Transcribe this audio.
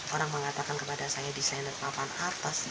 orang mengatakan kepada saya desainer papan atas